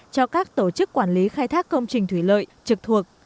cho các tổ chức quản lý khai thác công trình thủy lợi trực thuộc